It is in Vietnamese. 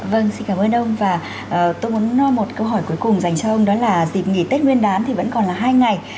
vâng xin cảm ơn ông và tôi muốn một câu hỏi cuối cùng dành cho ông đó là dịp nghỉ tết nguyên đán thì vẫn còn là hai ngày